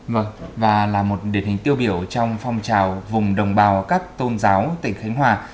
vâng và là một điển hình tiêu biểu trong phong trào vùng đồng bào các tôn giáo tỉnh khánh hòa